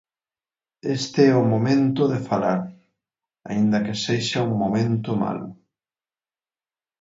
Este é o momento de falar, aínda que sexa un momento malo.